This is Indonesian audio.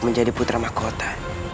menjadi putra mahkota